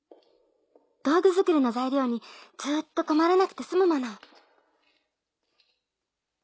道具づくりの材料にずっと困らなくてすむもの。